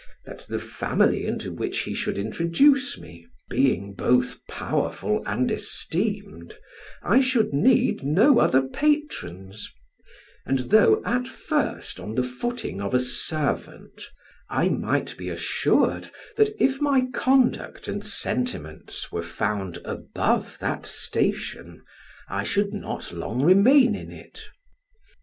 That the family into which he should introduce me being both powerful and esteemed, I should need no other patrons; and though at first on the footing of a servant, I might be assured, that if my conduct and sentiments were found above that station, I should not long remain in it.